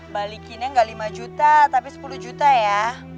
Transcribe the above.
balikinnya nggak lima juta tapi sepuluh juta ya